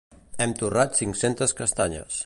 Hem torrat cinc-centes castanyes.